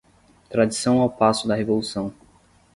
Tradição ao passo da revolução